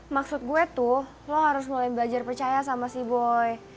maksud gue tuh lo harus mulai belajar percaya sama sea boy